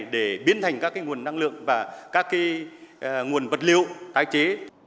để biến thành các nguồn năng lượng và các nguồn vật liệu tái chế